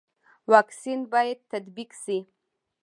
واکسین باید تطبیق شي